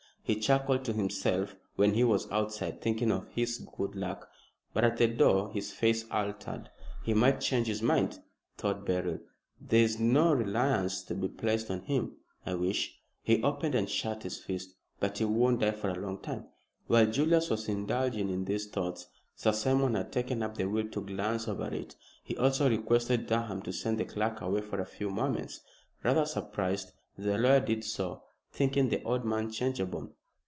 He chuckled to himself when he was outside, thinking of his good luck. But at the door his face altered. "He might change his mind," thought Beryl. "There's no reliance to be placed on him. I wish " he opened and shut his fist; "but he won't die for a long time." While Julius was indulging in these thoughts, Sir Simon had taken up the will to glance over it. He also requested Durham to send the clerk away for a few moments. Rather surprised, the lawyer did so, thinking the old man changeable.